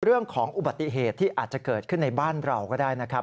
เรื่องของอุบัติเหตุที่อาจจะเกิดขึ้นในบ้านเราก็ได้นะครับ